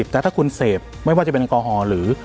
แต่ถ้าคุณเสพไม่ว่าจะเป็นแอลกอฮอล์หรือ